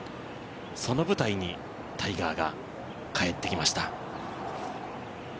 その舞台にタイガーが帰ってきました。